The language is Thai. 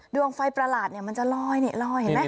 ดวงไฟประหลาดมันจะลอยเนี้ยลอยเห็นมั้ย